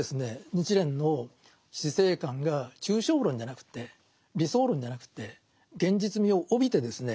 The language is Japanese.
日蓮の死生観が抽象論じゃなくて理想論じゃなくて現実味を帯びてですね